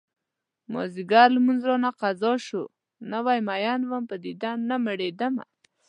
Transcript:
مازديګر لمونځ رانه قضا شو نوی مين وم په دیدن نه مړيدمه